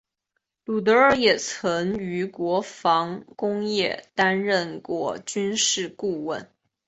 鲁德尔也曾于国防工业担任过军事顾问。